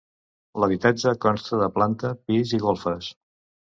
L'habitatge consta de planta, pis i golfes.